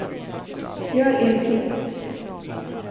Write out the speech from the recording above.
Gör er plikt.